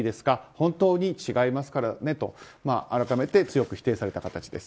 本当に違いますからねと改めて強く否定された形です。